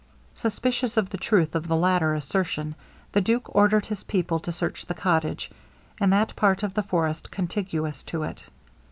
Suspicious of the truth of the latter assertion, the duke ordered his people to search the cottage, and that part of the forest contiguous to it.